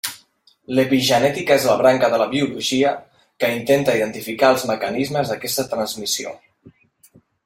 L'epigenètica és la branca de la biologia que intenta identificar els mecanismes d'aquesta transmissió.